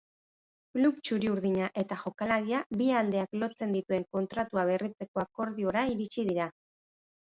Klub txuri-urdina eta jokalaria bi aldeak lotzen dituen kontratua berritzeko akordiora iritsi dira.